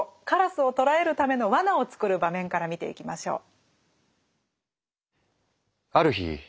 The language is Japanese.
鴉をとらえるための罠を作る場面から見ていきましょう。